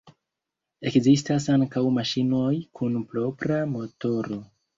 Ekzistas ankaŭ maŝinoj kun propra motoro.